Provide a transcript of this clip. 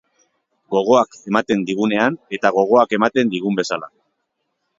Gogoak ematen digunean eta gogoak ematen digun bezala.